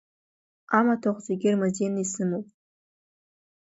Амаҭәахә зегьы ырмазеины исымоуп.